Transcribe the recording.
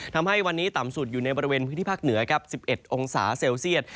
ทำให้วันนี้ต่ำสุดอยู่ในบริเวณพื้นที่ภาคเหนือครับ๑๑องศาเซลเซียต